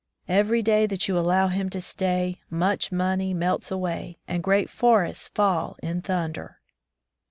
Every day that you allow him to stay, much money melts away, and great forests fall in thunder!"